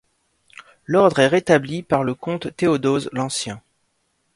L'ordre est rétabli par le comte Théodose l'Ancien.